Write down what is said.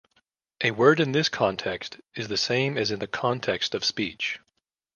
A word in this context is the same as in the context of speech.